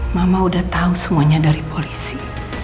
mama udah tahu semuanya dari polisi